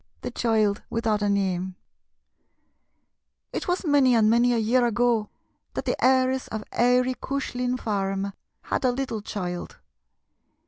THE CHILD WITHOUT A NAME It was many and many a year ago that the heiress of Eary Cushlin Farm had a little child.